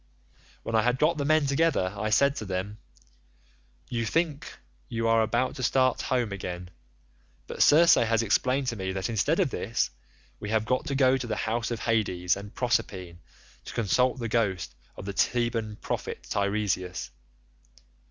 "When I had got the men together I said to them, 'You think you are about to start home again, but Circe has explained to me that instead of this, we have got to go to the house of Hades and Proserpine to consult the ghost of the Theban prophet Teiresias.